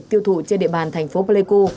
tiêu thụ trên địa bàn thành phố pleiku